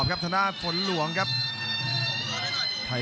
คมทุกลูกจริงครับโอ้โห